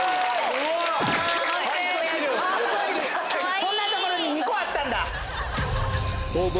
こんなところに２個あったんだ。